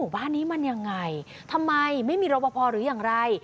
บ้านนี้มันยังไงทำไมไม่มีรบพอหรืออย่างไร